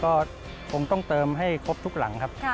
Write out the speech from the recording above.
ก็คงต้องเติมให้ครบทุกหลังครับ